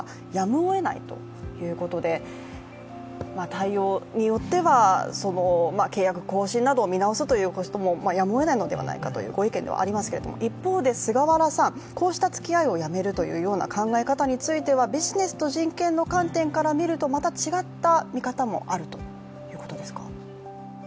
対応によっては契約更新などを見直すこともやむをえないのではないかというご意見ではありますが一方で菅原さん、こういったつきあいをやめるというような考え方についてはビジネスと人権の観点から見ると、また違った見方もあるということですか？